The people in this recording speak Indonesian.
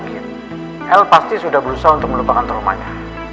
aku yakin el pasti sudah berusaha untuk melupakan traumanya